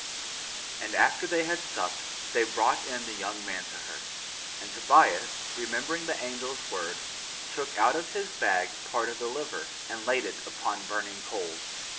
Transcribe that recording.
8:1. And after they had supped, they brought in the young man to her. 8:2. And Tobias remembering the angel's word, took out of his bag part of the liver, and laid it upon burning coals.